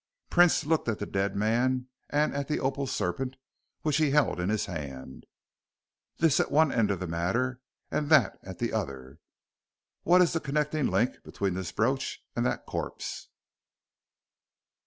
Prince looked at the dead man and at the opal serpent which he held in his hand. "This at one end of the matter, and that at the other. What is the connecting link between this brooch and that corpse?"